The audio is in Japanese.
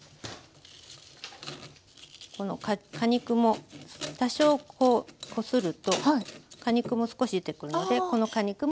この果肉も多少こうこすると果肉も少し出てくるのでこの果肉も入れて下さい。